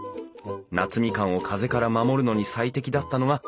夏みかんを風から守るのに最適だったのが高い塀。